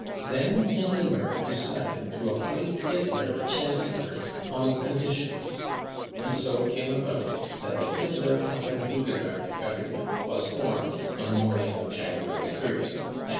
Then Hindenburg decided to appoint Hitler 'Chancellor, on conditions. And so it came about that the Hitler PapeivHugenberg Government was formed on the morning of January 30th, 1933.